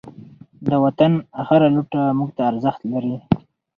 د وطن هر لوټه موږ ته ارزښت لري.